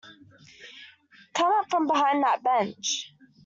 Come out from behind that bench.